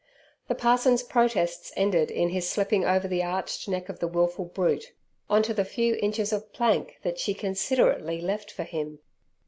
The parson's protests ended in his slipping over the arched neck of the wilful brute, on to the few inches of plank that she considerately left for him.